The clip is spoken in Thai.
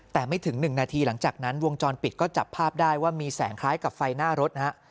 แต่ไม่ถึง๑นาทีหลังจากนั้นวงจรปิดก็จับภาพได้ว่ามีแสงคล้ายกับไฟหน้ารถฮะ